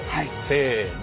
せの。